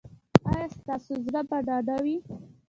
ایا ستاسو زړه به ډاډه وي؟